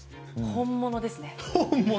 本物ですね。